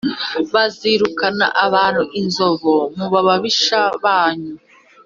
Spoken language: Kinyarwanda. bazirukana abantu inzovu mubababisha banyu